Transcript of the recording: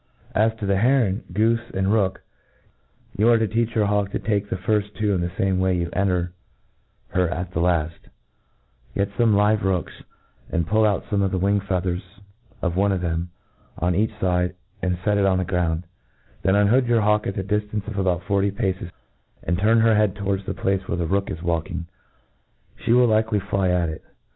As to the heronj goofe, and rook, you are to teach your hawk to take, the two firft in the lame way you enter her at the laft^ Get fome live rooks, and pull out fome of the wing fea* Ihers of one of them, on each fide, and fet it on the ground* Then unhood your hawk at thediftance of about forty paces, and turn her head towards the place where the rook is walk ing: She will likely fly at it.